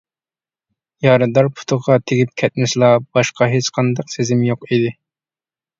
يارىدار پۇتىغا تېگىپ كەتمىسىلا، باشقا ھېچقانداق سېزىم يوق ئىدى.